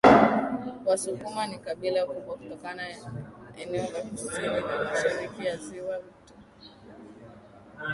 Wasukuma ni kabila kubwa kutoka eneo la kusini na mashariki ya Ziwa Viktoria